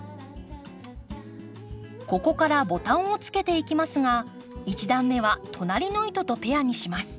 ここからボタンをつけていきますが１段目は隣の糸とペアにします。